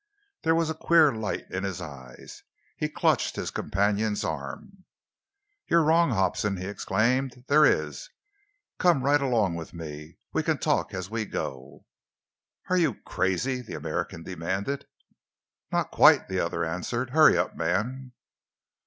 There was a queer light in his eyes. He clutched at his companion's arm. "You're wrong, Hobson," he exclaimed. "There is! Come right along with me. We can talk as we go." "Are you crazy?" the American demanded. "Not quite," the other answered. "Hurry up, man."